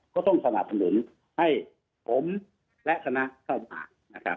ก็ต้องสนับสนุนให้ผมและคณะเข้ามา